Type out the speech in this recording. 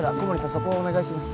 そこお願いします